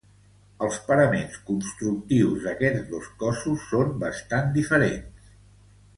Els paraments constructius d'aquests dos cossos són bastant diferents.